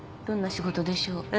どんな仕事でしょう？